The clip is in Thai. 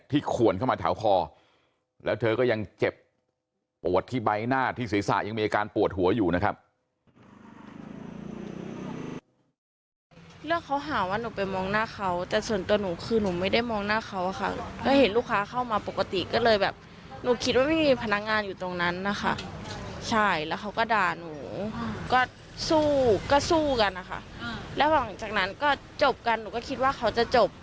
ขวนเข้ามาแถวคอแล้วเธอก็ยังเจ็บปวดที่ใบหน้าที่ศีรษะยังมีอาการปวดหัวอยู่นะครับ